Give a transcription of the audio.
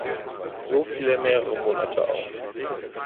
So fiel er mehrere Monate aus.